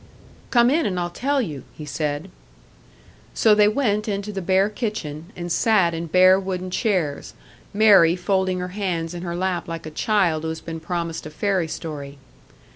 "Come in and I'll tell you," he said. So they went into the bare kitchen, and sat in bare wooden chairs Mary folding her hands in her lap like a child who has been promised a fairy story.